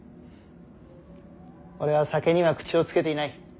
俺は酒には口をつけていない。